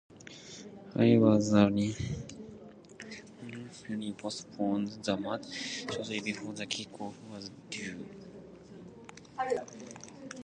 However, the referee postponed the match shortly before the kick-off was due.